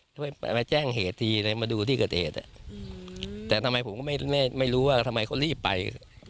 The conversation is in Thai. ช่วยมาแจ้งเหตุทีเลยมาดูที่เกิดเหตุแต่ทำไมผมก็ไม่รู้ว่าทำไมเขารีบไป